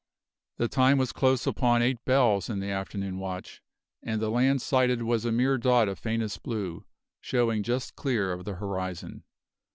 The time was close upon eight bells in the afternoon watch, and the land sighted was a mere dot of faintest blue showing just clear of the horizon.